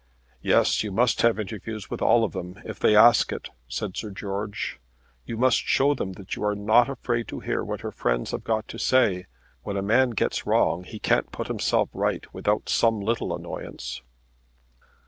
"Yes, you must have interviews with all of them, if they ask it," said Sir George. "You must show that you are not afraid to hear what her friends have got to say. When a man gets wrong he can't put himself right without some little annoyance."